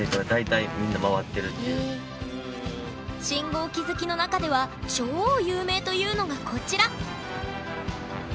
信号機好きの中では超有名というのがこちら。